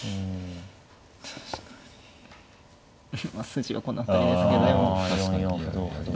筋はこの辺りですけど。